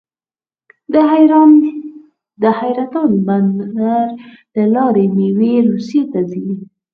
د حیرتان بندر له لارې میوې روسیې ته ځي.